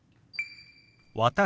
「私」。